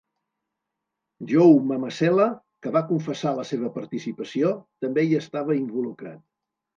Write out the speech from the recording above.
Joe Mamasela, que va confessar la seva participació, també hi estava involucrat.